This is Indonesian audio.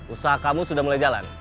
usaha kamu sudah mulai jalan